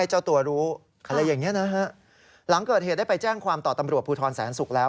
หลังเกิดเหตุได้ไปแจ้งความตอบตำรวจภูทรแสนศุกร์แล้ว